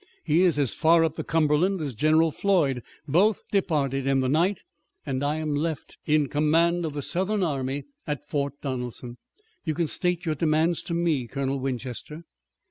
He is as far up the Cumberland as General Floyd. Both departed in the night, and I am left in command of the Southern army at Fort Donelson. You can state your demands to me, Colonel Winchester."